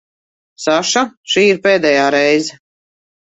Saša, šī ir pēdējā reize.